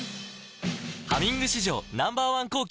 「ハミング」史上Ｎｏ．１抗菌